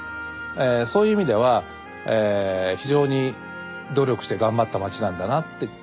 そういう意味では非常に努力して頑張った街なんだなって。